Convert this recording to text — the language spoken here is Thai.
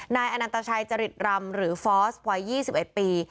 นายอนันตชัยจริตรำหรือฟอสวัย๒๑ปี